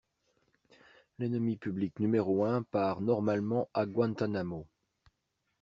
L'ennemi public numéro un part normalement à Guantanamo.